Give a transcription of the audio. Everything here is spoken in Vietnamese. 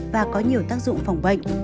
và có nhiều tác dụng phòng bệnh